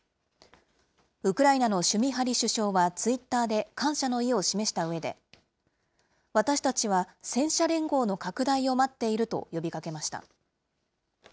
ウクライナのシュミハリ首相は、ツイッターで感謝の意を示したうえで、私たちは戦車連合の拡大を待っていると呼びかけました。